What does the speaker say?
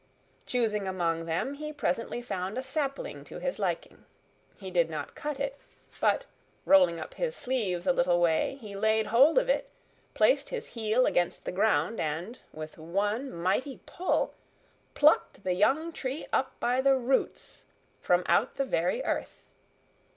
Choosing among them, he presently found a sapling to his liking. He did not cut it, but, rolling up his sleeves a little way, he laid hold of it, placed his heel against the ground, and, with one mighty pull, plucked the young tree up by the roots from out the very earth.